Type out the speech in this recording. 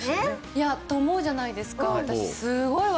いやと思うじゃないですか